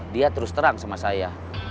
dia terus terang sama saya